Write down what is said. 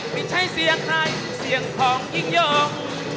ไม่ใช่เสียงใครเสียงของยิ่งยง